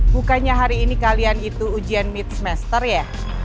bukannya hari ini kalian itu ujian mit semester ya